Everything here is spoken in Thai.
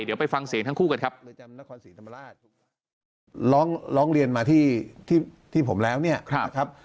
เดี๋ยวไปฟังเสียงทั้งคู่กันครับ